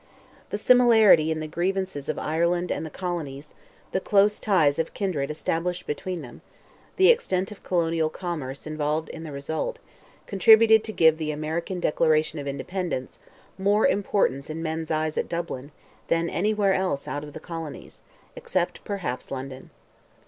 The similarity in the grievances of Ireland and the colonies, the close ties of kindred established between them, the extent of colonial commerce involved in the result, contributed to give the American Declaration of Independence more importance in men's eyes at Dublin, than anywhere else out of the colonies, except, perhaps, London.